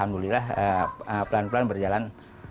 alhamdulillah pelan pelan berjalan